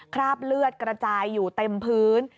คราบเลือดกระจายอยู่เต็มพื้น